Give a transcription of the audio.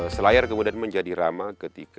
selayar kemudian menjadi